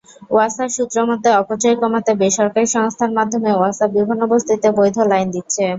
ওয়াসার সূত্রমতে, অপচয় কমাতে বেসরকারি সংস্থার মাধ্যমে ওয়াসা বিভিন্ন বস্তিতে বৈধ লাইন দিচ্ছে।